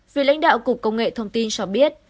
vì lãnh đạo cục công nghệ thông tin cho biết